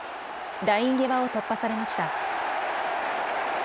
ライン際を突破されました。